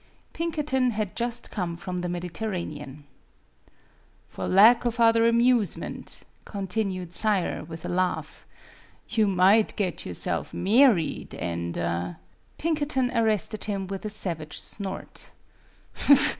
Pinkerton had just come from the Medi terranean. " For lack of other amusement," continued Sayre, with a laugh, " you might get yourself married and " 2 MADAME BUTTERFLY Pinkerton arrested him with a savage snort.